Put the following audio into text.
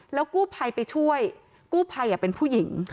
แล้วกู้ภัยไปช่วยกู้ภัยเป็นผู้หญิง